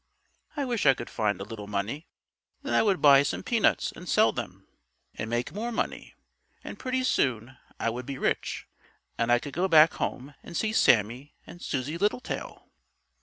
"I wish I could find a little money. Then I would buy some peanuts and sell them, and make more money, and pretty soon I would be rich, and I could go back home and see Sammie and Susie Littletail."